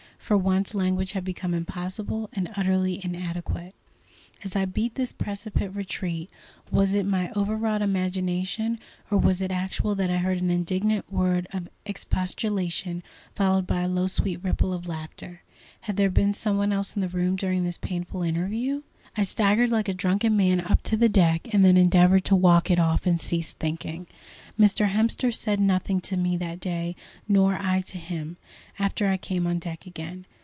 For once language had become impossible and utterly inadequate. As I beat this precipitate retreat, was it my over wrought imagination, or was it actual, that I heard an indignant word of expostulation, followed by a low sweet ripple of laughter. Had there been some one else in the room during this painful interview? I staggered like a drunken man up to the deck, and then endeavoured to walk it off and cease thinking. Mr. Hemster said nothing to me that day, nor I to him, after I came on deck again.